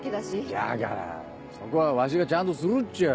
じゃからそこはわしがちゃんとするっちゃ。